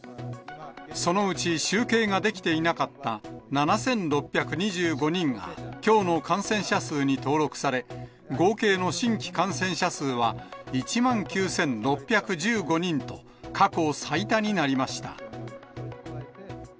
そのうち集計ができていなかった７６２５人が、きょうの感染者数に登録され、合計の新規感染者数は１万９６１５人と、過去最多になりました。